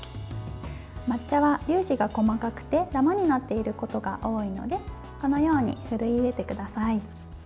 抹茶は粒子が細かくでダマになっていることが多いのでこのようにふるい入れてください。